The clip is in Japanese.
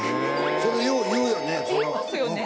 それよう言うよね。